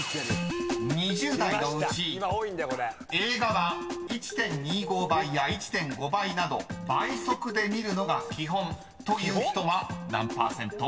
［２０代のうち映画は１．２５倍や１．５倍など倍速で見るのが基本という人は何％？］